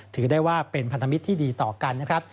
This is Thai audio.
ถือได้ว่าเป็นพันธมิตรที่ดีต่อกันนะครับ